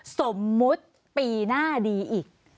สมมุติปีหน้าดีอีก